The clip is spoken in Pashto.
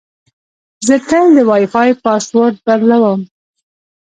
زه تل د وای فای پاسورډ بدلوم.